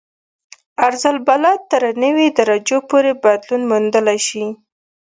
عرض البلد تر نوي درجو پورې بدلون موندلی شي